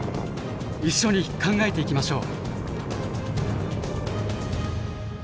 一緒に考えていきましょう！